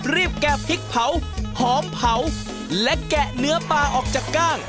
แกะพริกเผาหอมเผาและแกะเนื้อปลาออกจากกล้าง